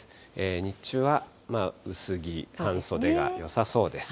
日中は薄着、半袖がよさそうです。